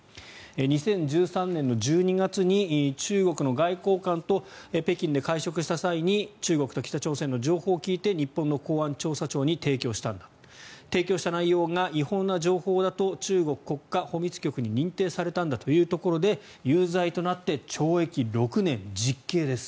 ２０１３年の１２月に中国の外交官と北京で会食した際に中国と北朝鮮の情報を聞いて日本の公安調査庁に提供したんだ提供した内容が違法な情報だと中国国家保密局に認定されたんだということで有罪となって懲役６年実刑です。